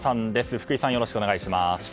福井さん、よろしくお願いします。